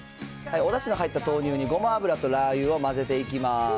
おだしの入った豆乳にごま油とラー油を混ぜていきます。